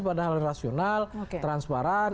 pada hal rasional transparan